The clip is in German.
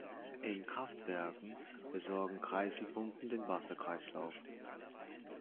In Kraftwerken besorgen Kreiselpumpen den Wasserkreislauf.